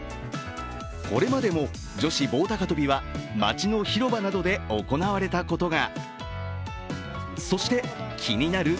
これまでも女子棒高跳は街の広場などで行われたことが。